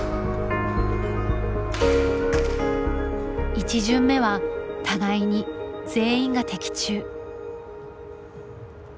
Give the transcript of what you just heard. １巡目は互いに全員が的中。